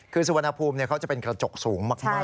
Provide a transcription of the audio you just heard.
คือสุวรรณภูมิเขาจะเป็นกระจกสูงมาก